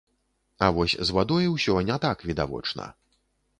А вось з вадой усё не так відавочна.